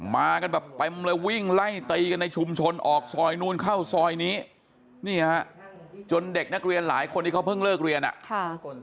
มากันแบบเต็มเลยวิ่งไล่ตีกันในชุมชนออกซอยนู้นเข้าซอยนี้นี่ฮะจนเด็กนักเรียนหลายคนที่เขาเพิ่งเลิกเรียนอ่ะค่ะ